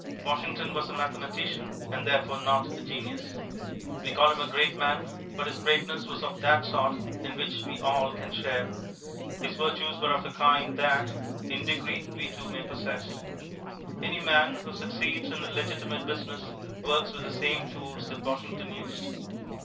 Washington was a mathematician and therefore not a genius. We call him a great man, but his greatness was of that sort in which we all can share; his virtues were of a kind that, in degree, we too may possess. Any man who succeeds in a legitimate business works with the same tools that Washington used.